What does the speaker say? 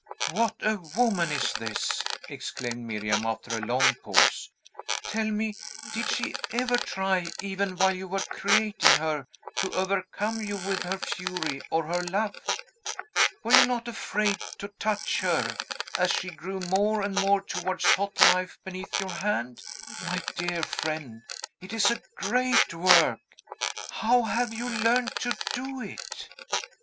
"What a woman is this!" exclaimed Miriam, after a long pause. "Tell me, did she ever try, even while you were creating her, to overcome you with her fury or her love? Were you not afraid to touch her, as she grew more and more towards hot life beneath your hand? My dear friend, it is a great work! How have you learned to do it?"